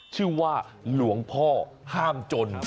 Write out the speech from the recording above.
ชื่อว่าหลวงพ่อห้ามจน